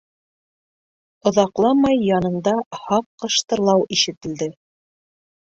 Оҙаҡламай янында һаҡ ҡыштырлау ишетелде.